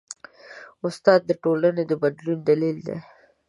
استاد د ټولنې د بدلون دلیل دی.